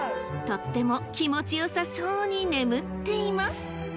とっても気持ちよさそうに眠っています。